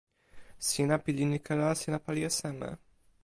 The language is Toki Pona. sina pilin ike la sina pali e seme?